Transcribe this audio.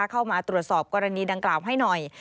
เข้ามาตรวจสอบกรณีดังกล่าวให้หน่อย